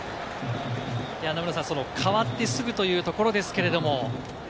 代わってすぐというところですけれど。